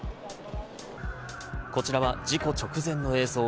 こちらは事故直前の映像。